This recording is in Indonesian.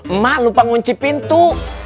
emak lupa ngunci pintu